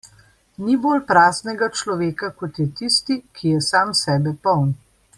Ni bolj praznega človeka, kot je tisti, ki je sam sebe poln.